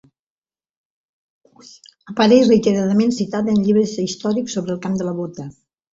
Apareix reiteradament citada en llibres històrics sobre el Camp de la Bota.